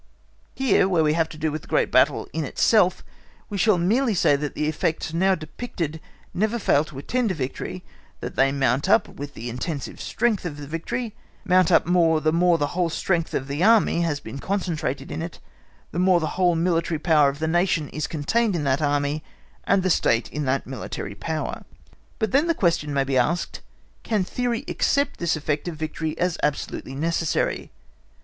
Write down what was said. Here, where we have to do with the great battle in itself, we shall merely say that the effects now depicted never fail to attend a victory, that they mount up with the intensive strength of the victory—mount up more the more the whole strength of the Army has been concentrated in it, the more the whole military power of the Nation is contained in that Army, and the State in that military power. But then the question may be asked, Can theory accept this effect of victory as absolutely necessary?